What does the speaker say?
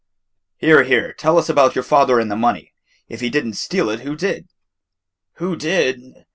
"Here, here, tell us about your father and the money. If he did n't steal it, who did?" "Who did?